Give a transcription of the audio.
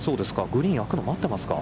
グリーンが空くのを待ってますか。